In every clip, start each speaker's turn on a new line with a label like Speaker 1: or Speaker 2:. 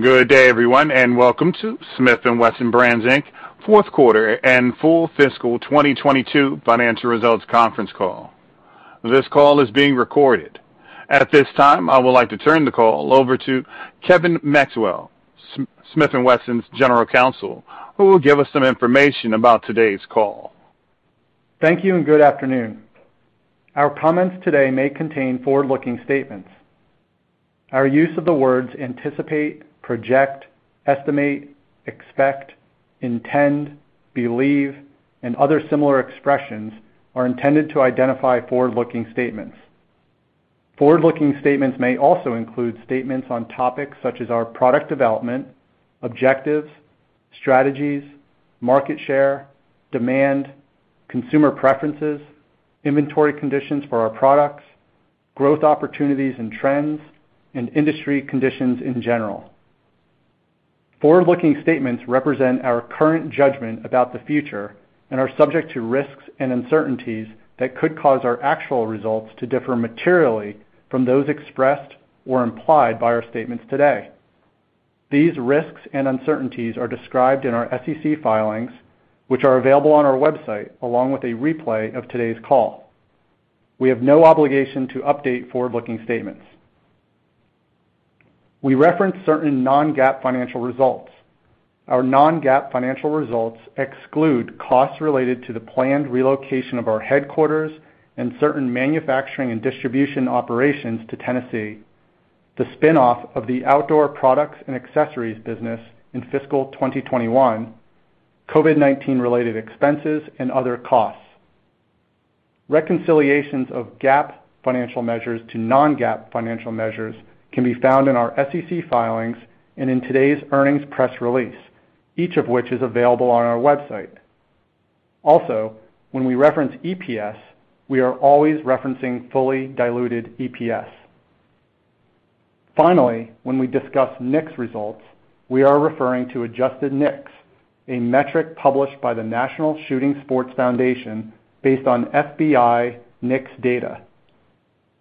Speaker 1: Good day, everyone, and welcome to Smith & Wesson Brands Inc. fourth quarter and full fiscal 2022 financial results conference call. This call is being recorded. At this time, I would like to turn the call over to Kevin Maxwell, Smith & Wesson's General Counsel, who will give us some information about today's call.
Speaker 2: Thank you and good afternoon. Our comments today may contain forward-looking statements. Our use of the words anticipate, project, estimate, expect, intend, believe, and other similar expressions are intended to identify forward-looking statements. Forward-looking statements may also include statements on topics such as our product development, objectives, strategies, market share, demand, consumer preferences, inventory conditions for our products, growth opportunities and trends, and industry conditions in general. Forward-looking statements represent our current judgment about the future and are subject to risks and uncertainties that could cause our actual results to differ materially from those expressed or implied by our statements today. These risks and uncertainties are described in our SEC filings, which are available on our website, along with a replay of today's call. We have no obligation to update forward-looking statements. We reference certain non-GAAP financial results. Our non-GAAP financial results exclude costs related to the planned relocation of our headquarters and certain manufacturing and distribution operations to Tennessee, the spin-off of the outdoor products and accessories business in fiscal 2021, COVID-19 related expenses, and other costs. Reconciliations of GAAP financial measures to non-GAAP financial measures can be found in our SEC filings and in today's earnings press release, each of which is available on our website. Also, when we reference EPS, we are always referencing fully diluted EPS. Finally, when we discuss NICS results, we are referring to adjusted NICS, a metric published by the National Shooting Sports Foundation based on FBI NICS data.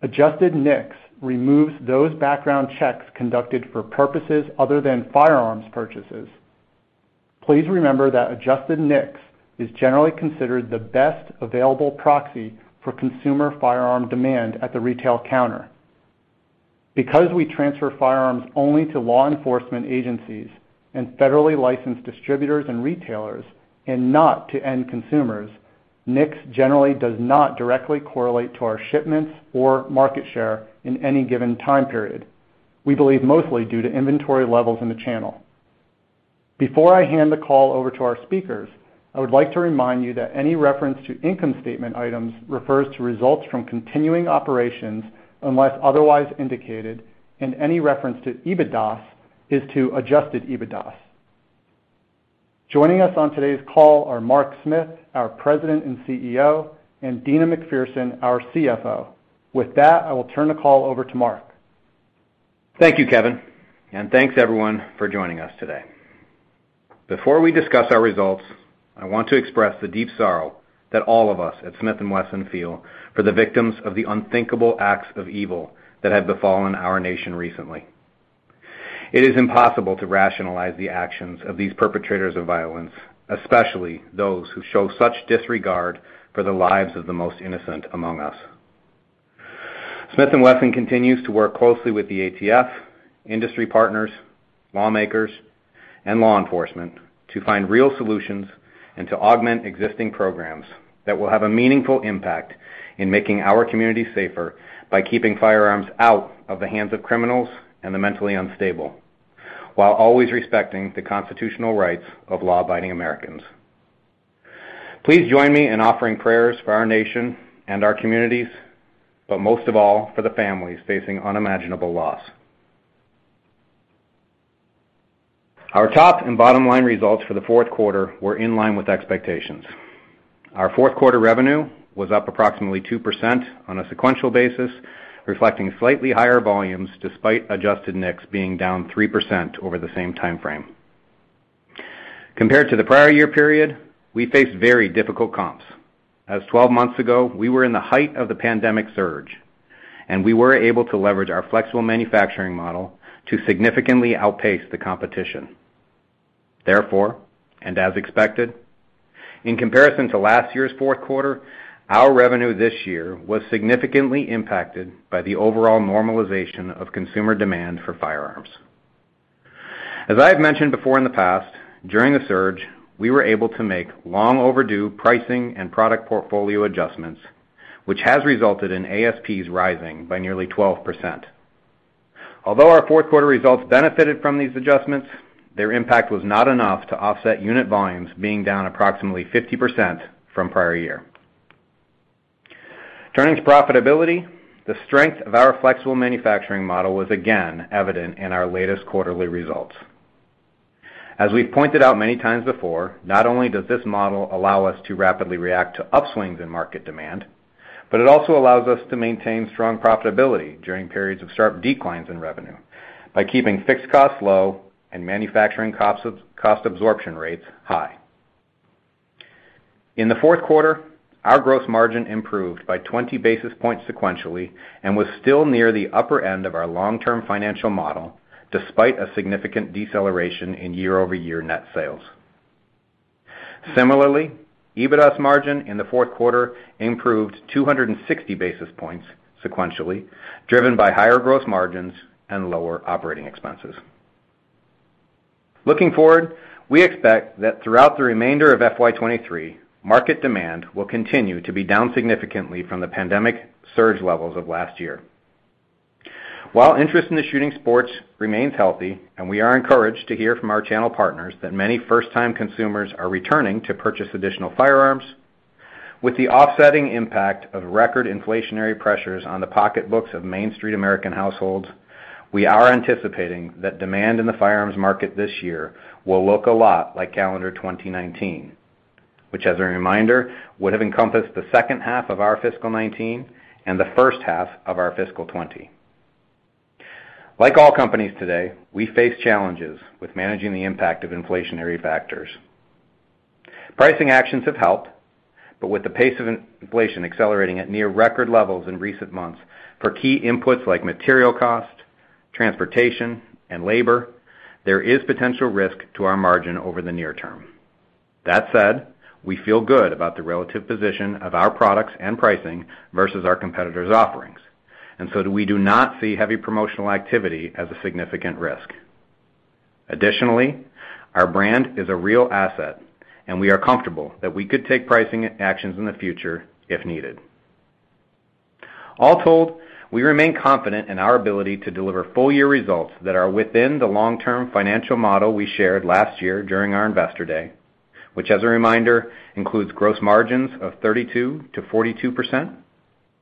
Speaker 2: Adjusted NICS removes those background checks conducted for purposes other than firearms purchases. Please remember that adjusted NICS is generally considered the best available proxy for consumer firearm demand at the retail counter. Because we transfer firearms only to law enforcement agencies and federally licensed distributors and retailers and not to end consumers, NICS generally does not directly correlate to our shipments or market share in any given time period, we believe mostly due to inventory levels in the channel. Before I hand the call over to our speakers, I would like to remind you that any reference to income statement items refers to results from continuing operations unless otherwise indicated, and any reference to EBITDA is to adjusted EBITDA. Joining us on today's call are Mark Smith, our President and CEO, and Deana McPherson, our CFO. With that, I will turn the call over to Mark.
Speaker 3: Thank you, Kevin. Thanks everyone for joining us today. Before we discuss our results, I want to express the deep sorrow that all of us at Smith & Wesson feel for the victims of the unthinkable acts of evil that have befallen our nation recently. It is impossible to rationalize the actions of these perpetrators of violence, especially those who show such disregard for the lives of the most innocent among us. Smith & Wesson continues to work closely with the ATF, industry partners, lawmakers, and law enforcement to find real solutions and to augment existing programs that will have a meaningful impact in making our community safer by keeping firearms out of the hands of criminals and the mentally unstable, while always respecting the constitutional rights of law-abiding Americans. Please join me in offering prayers for our nation and our communities, but most of all, for the families facing unimaginable loss. Our top and bottom line results for the fourth quarter were in line with expectations. Our fourth quarter revenue was up approximately 2% on a sequential basis, reflecting slightly higher volumes despite adjusted NICS being down 3% over the same time frame. Compared to the prior year period, we faced very difficult comps. As 12 months ago, we were in the height of the pandemic surge, and we were able to leverage our flexible manufacturing model to significantly outpace the competition. Therefore, and as expected, in comparison to last year's fourth quarter, our revenue this year was significantly impacted by the overall normalization of consumer demand for firearms. As I have mentioned before in the past, during the surge, we were able to make long overdue pricing and product portfolio adjustments, which has resulted in ASPs rising by nearly 12%. Although our fourth quarter results benefited from these adjustments, their impact was not enough to offset unit volumes being down approximately 50% from prior year. Turning to profitability, the strength of our flexible manufacturing model was again evident in our latest quarterly results. As we've pointed out many times before, not only does this model allow us to rapidly react to upswings in market demand, but it also allows us to maintain strong profitability during periods of sharp declines in revenue by keeping fixed costs low and manufacturing cost absorption rates high. In the fourth quarter, our gross margin improved by 20 basis points sequentially and was still near the upper end of our long-term financial model despite a significant deceleration in year-over-year net sales. Similarly, EBITDA's margin in the fourth quarter improved 260 basis points sequentially, driven by higher gross margins and lower operating expenses. Looking forward, we expect that throughout the remainder of FY 2023, market demand will continue to be down significantly from the pandemic surge levels of last year. While interest in the shooting sports remains healthy, and we are encouraged to hear from our channel partners that many first-time consumers are returning to purchase additional firearms, with the offsetting impact of record inflationary pressures on the pocketbooks of mainstream American households, we are anticipating that demand in the firearms market this year will look a lot like calendar 2019, which, as a reminder, would have encompassed the second half of our fiscal 2019 and the first half of our fiscal 2020. Like all companies today, we face challenges with managing the impact of inflationary factors. Pricing actions have helped, but with the pace of inflation accelerating at near record levels in recent months for key inputs like material cost, transportation, and labor, there is potential risk to our margin over the near term. That said, we feel good about the relative position of our products and pricing versus our competitors' offerings, and we do not see heavy promotional activity as a significant risk. Additionally, our brand is a real asset, and we are comfortable that we could take pricing actions in the future if needed. All told, we remain confident in our ability to deliver full-year results that are within the long-term financial model we shared last year during our Investor Day, which, as a reminder, includes gross margins of 32%-42%,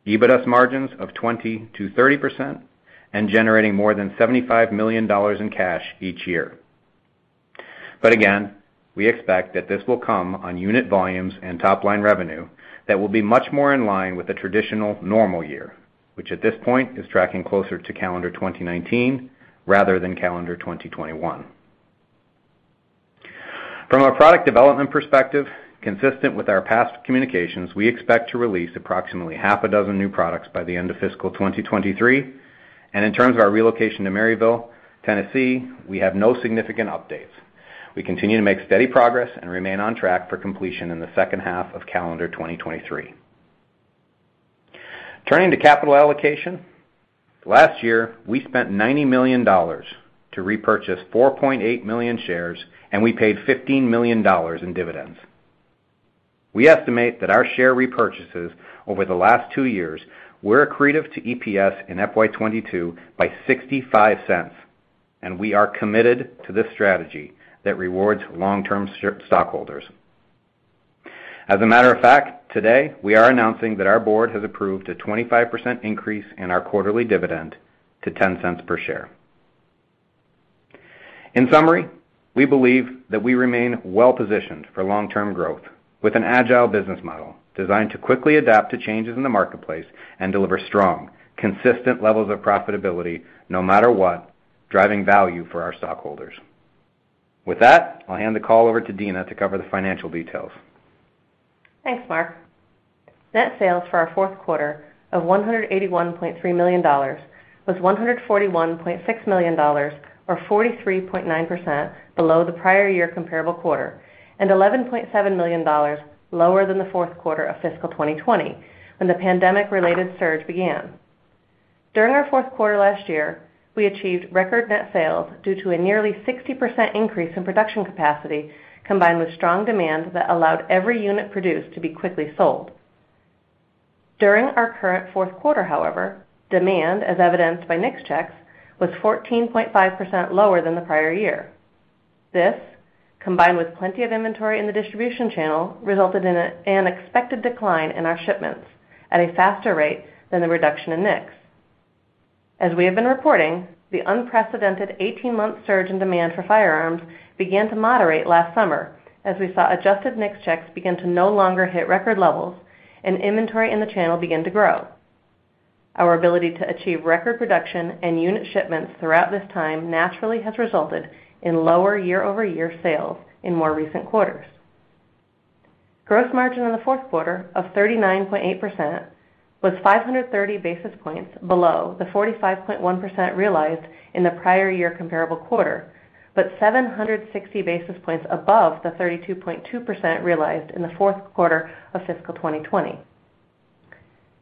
Speaker 3: EBITDA margins of 20%-30%, and generating more than $75 million in cash each year. Again, we expect that this will come on unit volumes and top-line revenue that will be much more in line with the traditional normal year, which at this point is tracking closer to calendar 2019 rather than calendar 2021. From a product development perspective, consistent with our past communications, we expect to release approximately 1/2 of dozens new products by the end of fiscal 2023. In terms of our relocation to Maryville, Tennessee, we have no significant updates. We continue to make steady progress and remain on track for completion in the second half of calendar 2023. Turning to capital allocation. Last year, we spent $90 million to repurchase 4.8 million shares, and we paid $15 million in dividends. We estimate that our share repurchases over the last two years were accretive to EPS in FY 2022 by $0.65, and we are committed to this strategy that rewards long-term stockholders. As a matter of fact, today we are announcing that our board has approved a 25% increase in our quarterly dividend to $0.10 per share. In summary, we believe that we remain well-positioned for long-term growth with an agile business model designed to quickly adapt to changes in the marketplace and deliver strong, consistent levels of profitability no matter what, driving value for our stockholders. With that, I'll hand the call over to Deana McPherson to cover the financial details.
Speaker 4: Thanks, Mark. Net sales for our fourth quarter of $181.3 million was $141.6 million or 43.9% below the prior year comparable quarter, and $11.7 million lower than the fourth quarter of fiscal 2020 when the pandemic-related surge began. During our fourth quarter last year, we achieved record net sales due to a nearly 60% increase in production capacity, combined with strong demand that allowed every unit produced to be quickly sold. During our current fourth quarter, however, demand, as evidenced by NICS checks, was 14.5% lower than the prior year. This, combined with plenty of inventory in the distribution channel, resulted in an expected decline in our shipments at a faster rate than the reduction in NICS. As we have been reporting, the unprecedented 18-month surge in demand for firearms began to moderate last summer as we saw adjusted NICS checks begin to no longer hit record levels and inventory in the channel begin to grow. Our ability to achieve record production and unit shipments throughout this time naturally has resulted in lower year-over-year sales in more recent quarters. Gross margin in the fourth quarter of 39.8% was 530 basis points below the 45.1% realized in the prior year comparable quarter, but 760 basis points above the 32.2% realized in the fourth quarter of fiscal 2020.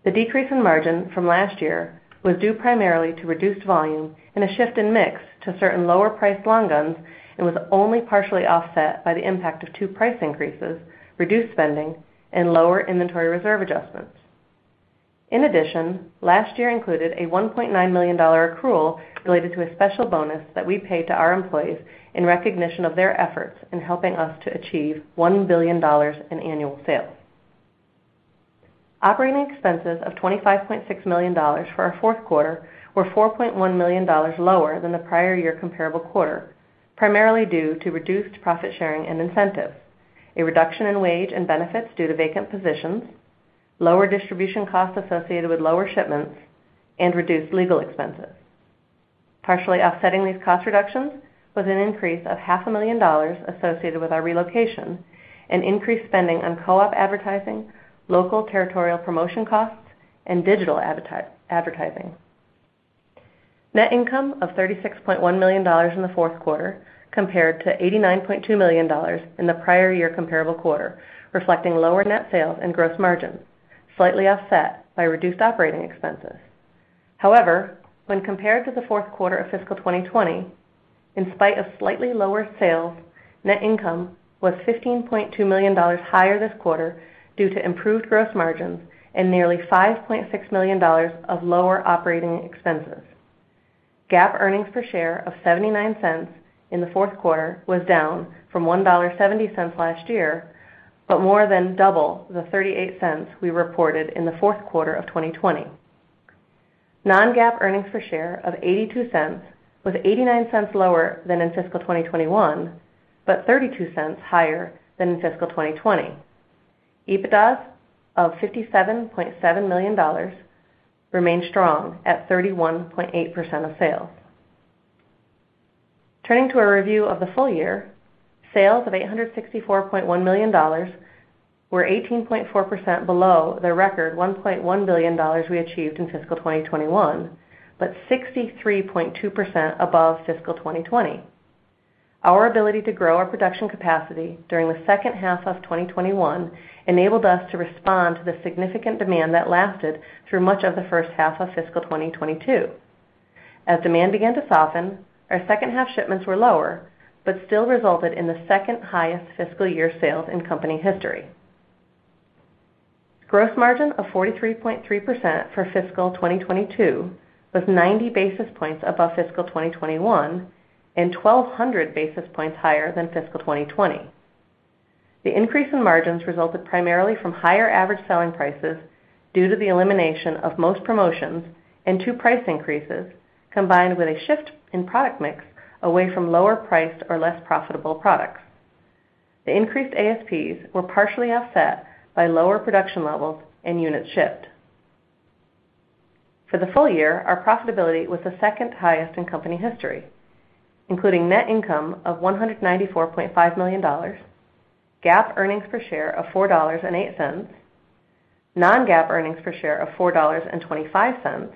Speaker 4: The decrease in margin from last year was due primarily to reduced volume and a shift in mix to certain lower priced long guns and was only partially offset by the impact of two price increases, reduced spending, and lower inventory reserve adjustments. In addition, last year included a $1.9 million accrual related to a special bonus that we paid to our employees in recognition of their efforts in helping us to achieve $1 billion in annual sales. Operating expenses of $25.6 million for our fourth quarter were $4.1 million lower than the prior year comparable quarter, primarily due to reduced profit sharing and incentives, a reduction in wage and benefits due to vacant positions, lower distribution costs associated with lower shipments, and reduced legal expenses. Partially offsetting these cost reductions was an increase of $500,000 dollars associated with our relocation and increased spending on co-op advertising, local territorial promotion costs, and digital advertising. Net income of $36.1 million in the fourth quarter compared to $89.2 million in the prior year comparable quarter, reflecting lower net sales and gross margins, slightly offset by reduced operating expenses. However, when compared to the fourth quarter of fiscal 2020, in spite of slightly lower sales, net income was $15.2 million higher this quarter due to improved gross margins and nearly $5.6 million of lower operating expenses. GAAP earnings per share of $0.79 in the fourth quarter was down from $1.70 last year, but more than double the $0.38 we reported in the fourth quarter of 2020. Non-GAAP earnings per share of $0.82 was $0.89 lower than in fiscal 2021, but $0.32 higher than in fiscal 2020. EBITDA of $57.7 million remained strong at 31.8% of sales. Turning to a review of the full year, sales of $864.1 million were 18.4% below the record $1.1 billion we achieved in fiscal 2021, but 63.2% above fiscal 2020. Our ability to grow our production capacity during the second half of 2021 enabled us to respond to the significant demand that lasted through much of the first half of fiscal 2022. As demand began to soften, our second half shipments were lower, but still resulted in the second highest fiscal year sales in company history. Gross margin of 43.3% for fiscal 2022 was 90 basis points above fiscal 2021 and 1,200 basis points higher than fiscal 2020. The increase in margins resulted primarily from higher average selling prices due to the elimination of most promotions and two price increases combined with a shift in product mix away from lower priced or less profitable products. The increased ASPs were partially offset by lower production levels and units shipped. For the full year, our profitability was the second highest in company history, including net income of $194.5 million, GAAP earnings per share of $4.08, non-GAAP earnings per share of $4.25,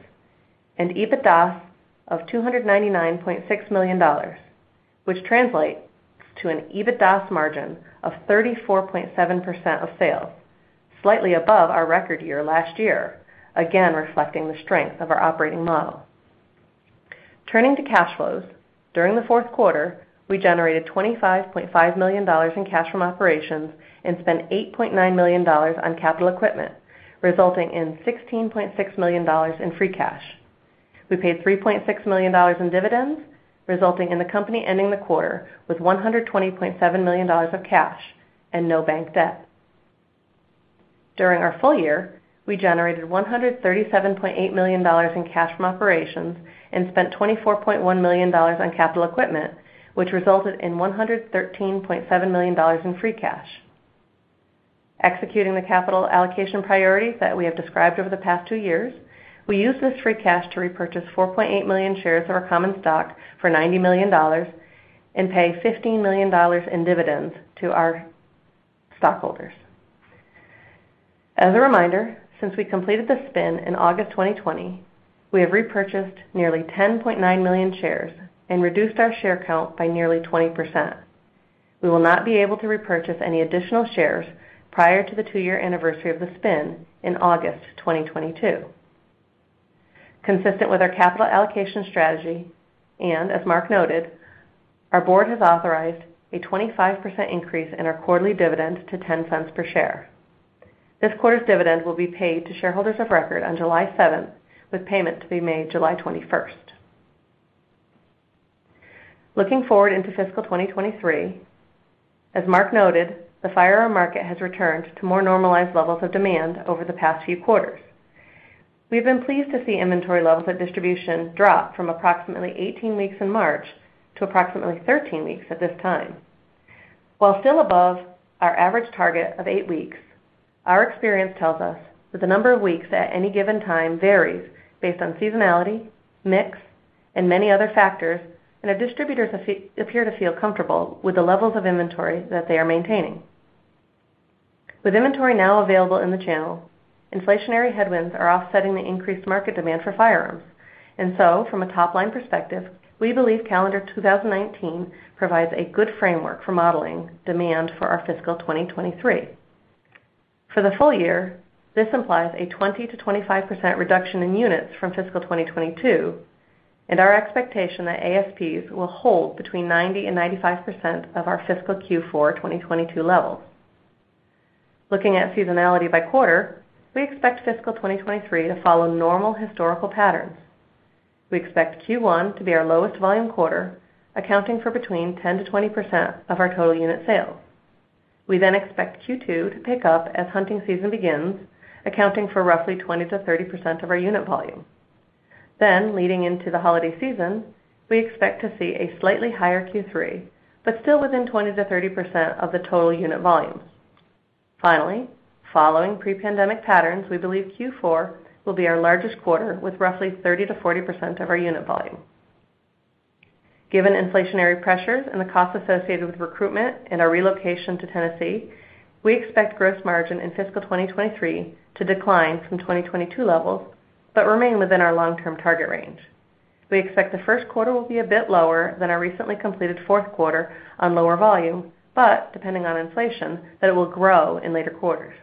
Speaker 4: and EBITDA of $299.6 million, which translates to an EBITDA margin of 34.7% of sales, slightly above our record year last year, again reflecting the strength of our operating model. Turning to cash flows, during the fourth quarter, we generated $25.5 million in cash from operations and spent $8.9 million on capital equipment, resulting in $16.6 million in free cash. We paid $3.6 million in dividends, resulting in the company ending the quarter with $120.7 million of cash and no bank debt. During our full year, we generated $137.8 million in cash from operations and spent $24.1 million on capital equipment, which resulted in $113.7 million in free cash. Executing the capital allocation priorities that we have described over the past two years, we used this free cash to repurchase 4.8 million shares of our common stock for $90 million and pay $15 million in dividends to our stockholders. As a reminder, since we completed the spin in August 2020, we have repurchased nearly 10.9 million shares and reduced our share count by nearly 20%. We will not be able to repurchase any additional shares prior to the two-year anniversary of the spin in August 2022. Consistent with our capital allocation strategy, and as Mark noted, our board has authorized a 25% increase in our quarterly dividend to $0.10 per share. This quarter's dividend will be paid to shareholders of record on July 7th, with payment to be made July 21st. Looking forward into fiscal 2023, as Mark noted, the firearm market has returned to more normalized levels of demand over the past few quarters. We've been pleased to see inventory levels at distribution drop from approximately 18 weeks in March to approximately 13 weeks at this time. While still above our average target of eight weeks, our experience tells us that the number of weeks at any given time varies based on seasonality, mix, and many other factors, and our distributors appear to feel comfortable with the levels of inventory that they are maintaining. With inventory now available in the channel, inflationary headwinds are offsetting the increased market demand for firearms. From a top-line perspective, we believe calendar 2019 provides a good framework for modeling demand for our fiscal 2023. For the full year, this implies a 20%-25% reduction in units from fiscal 2022, and our expectation that ASPs will hold between 90%-95% of our fiscal Q4 2022 levels. Looking at seasonality by quarter, we expect fiscal 2023 to follow normal historical patterns. We expect Q1 to be our lowest volume quarter, accounting for between 10%-20% of our total unit sales. We then expect Q2 to pick up as hunting season begins, accounting for roughly 20%-30% of our unit volume. Leading into the holiday season, we expect to see a slightly higher Q3, but still within 20%-30% of the total unit volumes. Finally, following pre-pandemic patterns, we believe Q4 will be our largest quarter with roughly 30%-40% of our unit volume. Given inflationary pressures and the costs associated with recruitment and our relocation to Tennessee, we expect gross margin in fiscal 2023 to decline from 2022 levels, but remain within our long-term target range. We expect the first quarter will be a bit lower than our recently completed fourth quarter on lower volume, but depending on inflation, that it will grow in later quarters.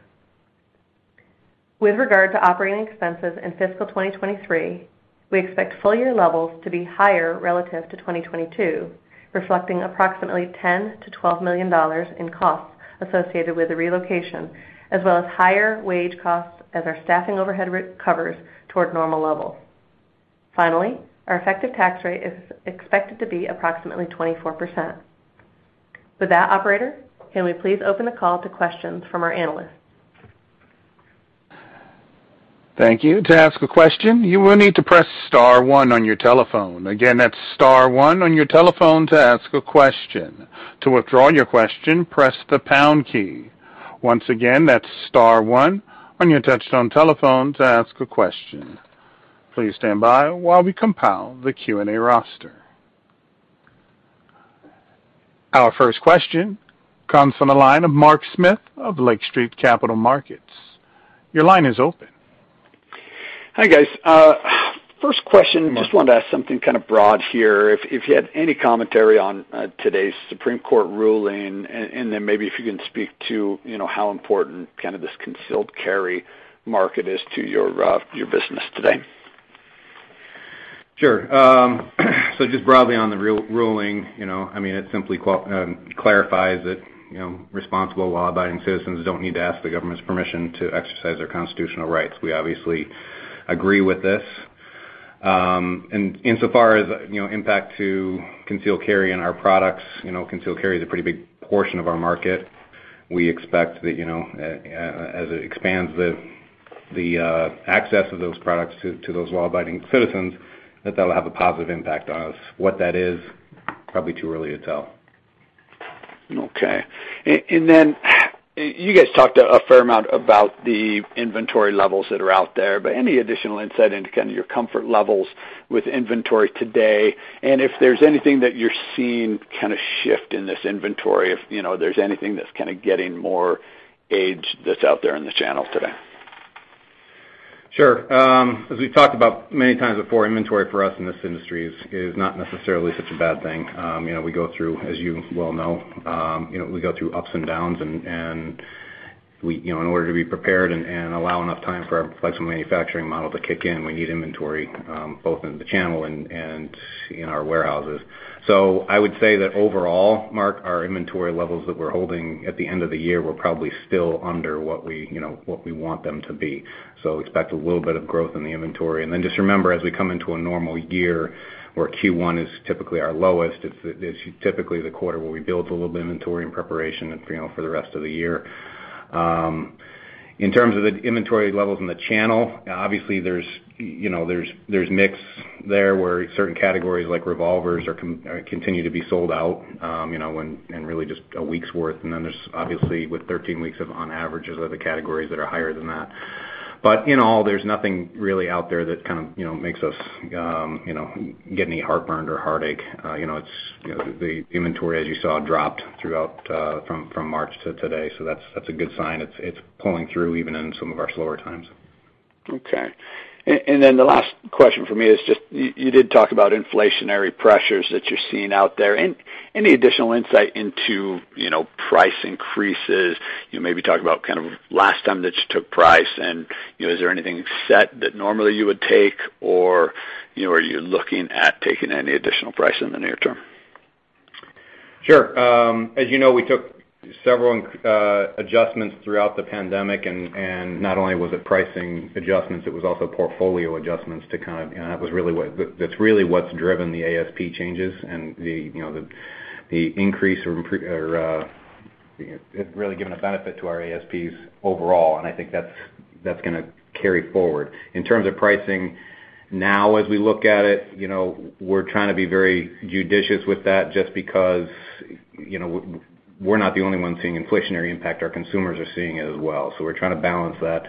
Speaker 4: With regard to operating expenses in fiscal 2023, we expect full year levels to be higher relative to 2022, reflecting approximately $10 million-$12 million in costs associated with the relocation, as well as higher wage costs as our staffing overhead rate converges toward normal levels. Finally, our effective tax rate is expected to be approximately 24%. With that, operator, can we please open the call to questions from our analysts?
Speaker 1: Thank you. To ask a question, you will need to press star one on your telephone. Again, that's star one on your telephone to ask a question. To withdraw your question, press the pound key. Once again, that's star one on your touch tone telephone to ask a question. Please stand by while we compile the Q&A roster. Our first question comes from the line of Mark Smith of Lake Street Capital Markets. Your line is open.
Speaker 5: Hi, guys. First question, just wanted to ask something kind of broad here. If you had any commentary on today's Supreme Court ruling, and then maybe if you can speak to, you know, how important kind of this concealed carry market is to your business today.
Speaker 3: Sure. Just broadly on the Bruen ruling, you know, I mean, it simply clarifies that, you know, responsible law-abiding citizens don't need to ask the government's permission to exercise their constitutional rights. We obviously agree with this. Insofar as, you know, impact to concealed carry in our products, you know, concealed carry is a pretty big portion of our market. We expect that, you know, as it expands the access of those products to those law-abiding citizens, that that'll have a positive impact on us. What that is, probably too early to tell.
Speaker 5: Okay. You guys talked a fair amount about the inventory levels that are out there, but any additional insight into kind of your comfort levels with inventory today? If there's anything that you're seeing kind of shift in this inventory, you know, if there's anything that's kinda getting more aged that's out there in the channel today.
Speaker 3: Sure. As we've talked about many times before, inventory for us in this industry is not necessarily such a bad thing. You know, we go through ups and downs, as you well know. You know, in order to be prepared and allow enough time for our flexible manufacturing model to kick in, we need inventory both in the channel and in our warehouses. I would say that overall, Mark, our inventory levels that we're holding at the end of the year were probably still under what we, you know, what we want them to be. Expect a little bit of growth in the inventory. Just remember, as we come into a normal year, where Q1 is typically our lowest, it's typically the quarter where we build a little bit of inventory in preparation, you know, for the rest of the year. In terms of the inventory levels in the channel, obviously, you know, there's mix there, where certain categories like revolvers continue to be sold out, you know, and really just a week's worth. There's obviously with 13 weeks of inventory on average for the categories that are higher than that. In all, there's nothing really out there that kind of, you know, makes us, you know, get any heartburn or heartache. You know, it's You know, the inventory, as you saw, dropped throughout from March to today, so that's a good sign it's pulling through even in some of our slower times.
Speaker 5: Okay. Then the last question from me is just, you did talk about inflationary pressures that you're seeing out there. Any additional insight into, you know, price increases? You maybe talk about kind of last time that you took price and, you know, is there anything set that normally you would take or, you know, are you looking at taking any additional price in the near term?
Speaker 3: Sure. As you know, we took several adjustments throughout the pandemic, and not only was it pricing adjustments, it was also portfolio adjustments. That's really what's driven the ASP changes and the increase or it really giving a benefit to our ASPs overall, and I think that's gonna carry forward. In terms of pricing, now as we look at it, you know, we're trying to be very judicious with that just because, you know, we're not the only ones seeing inflationary impact. Our consumers are seeing it as well. We're trying to balance that,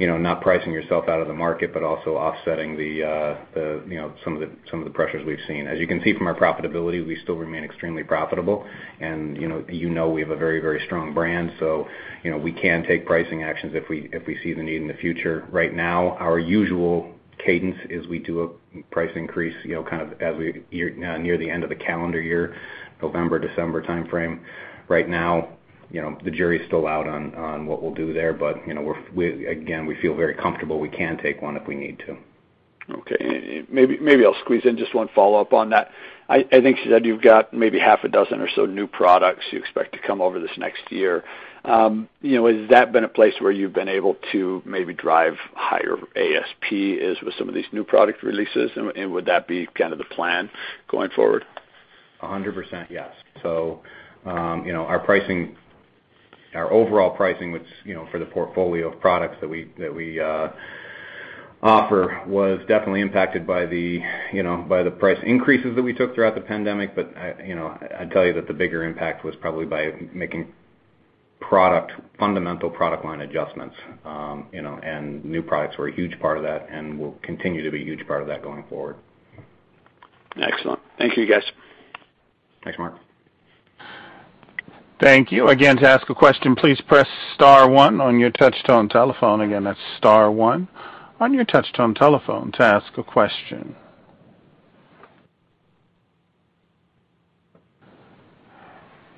Speaker 3: you know, not pricing yourself out of the market, but also offsetting the, you know, some of the pressures we've seen. As you can see from our profitability, we still remain extremely profitable and, you know, we have a very, very strong brand, so, you know, we can take pricing actions if we see the need in the future. Right now, our usual cadence is we do a price increase, you know, kind of as we near the end of the calendar year, November, December timeframe. Right now, you know, the jury is still out on what we'll do there, but, you know, again, we feel very comfortable we can take one if we need to.
Speaker 5: Okay. Maybe I'll squeeze in just one follow-up on that. I think you said you've got maybe half a dozen or so new products you expect to come over this next year. You know, has that been a place where you've been able to maybe drive higher ASPs with some of these new product releases? Would that be kind of the plan going forward?
Speaker 3: 100% yes. You know, our pricing, our overall pricing, which, you know, for the portfolio of products that we offer, was definitely impacted by the price increases that we took throughout the pandemic. You know, I'd tell you that the bigger impact was probably by making product, fundamental product line adjustments. You know, new products were a huge part of that and will continue to be a huge part of that going forward.
Speaker 5: Excellent. Thank you, guys.
Speaker 3: Thanks, Mark.
Speaker 1: Thank you. Again, to ask a question, please press star one on your touch tone telephone. Again, that's star one on your touch tone telephone to ask a question.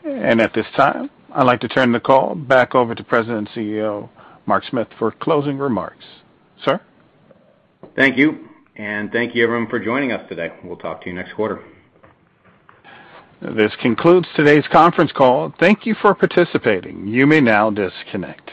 Speaker 1: At this time, I'd like to turn the call back over to President and CEO, Mark Smith, for closing remarks. Sir?
Speaker 3: Thank you, and thank you, everyone, for joining us today. We'll talk to you next quarter.
Speaker 1: This concludes today's conference call. Thank you for participating. You may now disconnect.